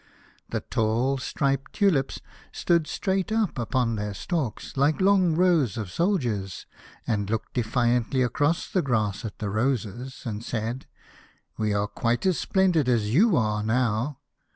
The tall striped tulips stood straight up upon 2 7 A House of Pomegranates. their stalks, like long rows of soldiers, and looked defiantly across the grass at the roses, and said : "We are quite as splendid as you are now."